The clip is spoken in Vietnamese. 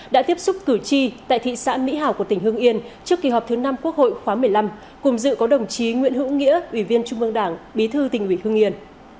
đã tiếp xúc cử tri tại thị xã mỹ hào của tỉnh hương yên trước kỳ họp thứ năm quốc hội khóa một mươi năm cùng dự có đồng chí nguyễn hữu nghĩa ủy viên trung ương đảng bí thư tỉnh ủy hương yên